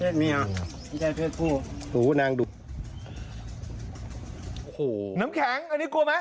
น้ำแข็งอันนี้กลัวไหม